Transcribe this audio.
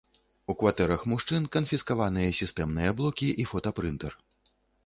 У кватэрах мужчын канфіскаваныя сістэмныя блокі і фотапрынтэр.